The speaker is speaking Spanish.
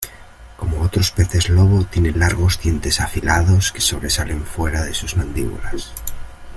Como otros peces lobo tiene largos dientes afiliados que sobresalen fuera de sus mandíbulas.